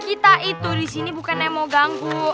kita itu di sini bukan yang mau ganggu